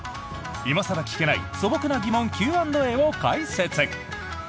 今更聞けない素朴な疑問Ｑ＆Ａを解説。